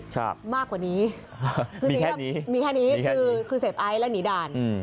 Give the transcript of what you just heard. ครับมากกว่านี้มีแค่นี้มีแค่นี้คือคือเสพไอ้และหนีด่านอืม